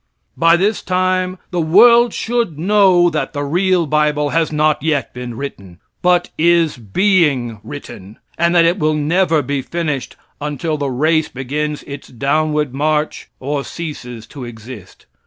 By this time the whole world should know that the real bible has not yet been written; but is being written, and that it will never be finished until the race begins its downward march or ceases to exist.